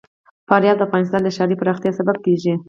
فاریاب د افغانستان د ښاري پراختیا سبب کېږي.